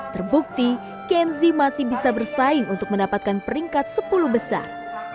terbukti kenzi masih bisa bersaing untuk mendapatkan peringkat sepuluh besar